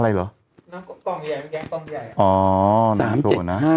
อ๋อไม่โตนะ